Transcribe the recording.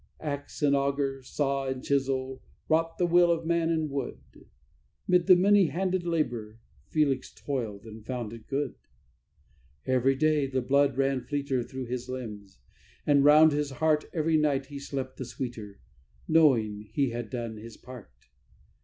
Axe and auger, saw and chisel, wrought the will of man in wood: 'Mid the many handed labour Felix toiled, and found it good. Every day the blood ran fleeter through his limbs and round his heart; Every night he slept the sweeter, knowing he had done his part.